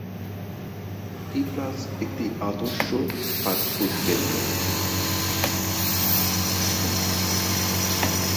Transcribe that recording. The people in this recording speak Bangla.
টি প্লাস একটি আদর্শ ফাস্ট ফুড কেন্দ্র।